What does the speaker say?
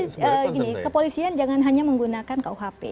sebenarnya kepolisian jangan hanya menggunakan khp